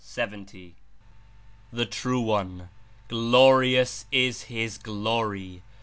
The True One — glorious is His Glory!